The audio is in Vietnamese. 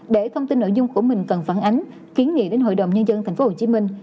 để thông tin nội dung của mình cần phản ánh ký nghị đến hội đồng nhân dân thành phố hồ chí minh